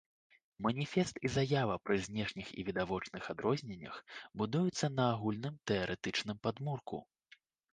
Маніфест і заява пры знешніх і відавочных адрозненнях, будуюцца на агульным тэарэтычным падмурку.